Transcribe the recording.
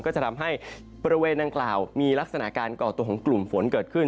ก็จะทำให้บริเวณดังกล่าวมีลักษณะการก่อตัวของกลุ่มฝนเกิดขึ้น